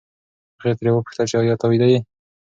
هغه ترې وپوښتل چې ایا ته ویده یې؟